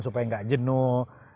supaya gak ada yang nge review